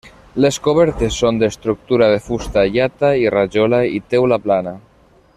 Les cobertes són d'estructura de fusta, llata i rajola i teula plana.